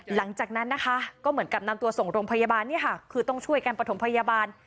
หลังจากนั้นก็เหมือนกับนำตัวส่งโรงพยาบาลคือต้องช่วยการปฐมพยาบาล